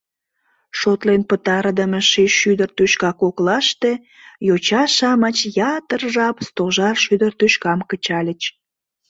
Шотлен пытарыдыме ший шӱдыр тӱшка коклаште йоча-шамыч ятыр жап Стожар шӱдыр тӱшкам кычальыч.